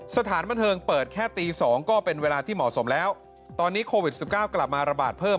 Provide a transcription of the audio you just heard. สถานบันเทิงเปิดแค่ตี๒ก็เป็นเวลาที่เหมาะสมแล้วตอนนี้โควิด๑๙กลับมาระบาดเพิ่ม